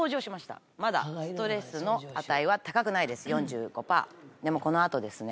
まだストレスの値は高くないです４５％でもこの後ですね。